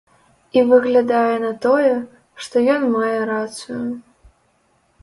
І выглядае на тое, што ён мае рацыю.